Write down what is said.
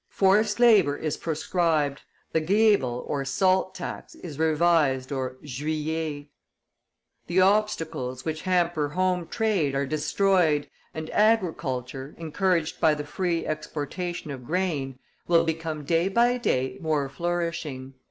"Forced labor is proscribed, the gabel (or salt tax) is revised (juyee), the obstacles which hamper home trade are destroyed, and agriculture, encouraged by the free exportation of grain, will become day by day more flourishing.